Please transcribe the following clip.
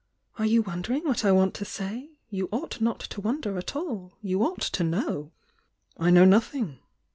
"Are you wondering what I want to say? You ought not to wonder at all,— you ought to know!" "I know nothing!"